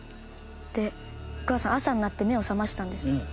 でお母さん朝になって目を覚ましたんですよ。